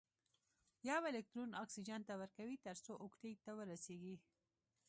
یو الکترون اکسیجن ته ورکوي تر څو اوکتیت ته ورسیږي.